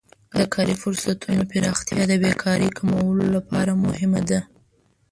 د کاري فرصتونو پراختیا د بیکارۍ کمولو لپاره مهمه ده.